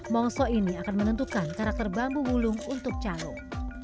mongso ini akan menentukan karakter bambu mulung untuk celung